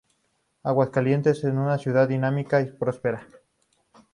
Aguascalientes es una ciudad dinámica y próspera.